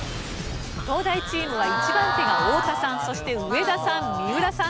東大チームは１番手が太田さんそして上田さん三浦さんの順番。